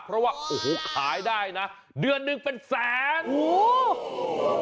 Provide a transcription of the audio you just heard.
เพราะว่าขายได้นะเดือนหนึ่งเป็นแสน